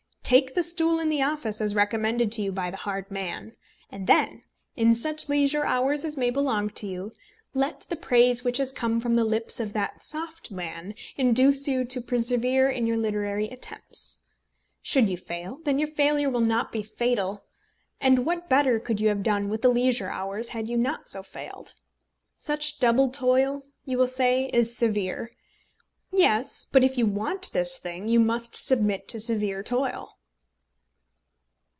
Take the stool in the office as recommended to you by the hard man; and then, in such leisure hours as may belong to you, let the praise which has come from the lips of that soft man induce you to persevere in your literary attempts. Should you fail, then your failure will not be fatal, and what better could you have done with the leisure hours had you not so failed? Such double toil, you will say, is severe. Yes; but if you want this thing, you must submit to severe toil.